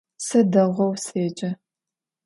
Se değou sece.